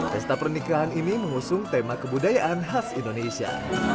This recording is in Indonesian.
pesta pernikahan ini mengusung tema kebudayaan khas indonesia